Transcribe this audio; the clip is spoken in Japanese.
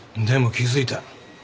でも気付いた。